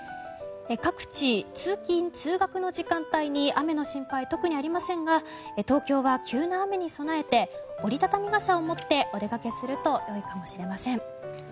各地、通勤・通学の時間帯に雨の心配、特にありませんが東京は急な雨に備えて折り畳み傘を持ってお出かけするとよいかもしれません。